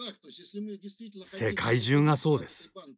世界中がそうです。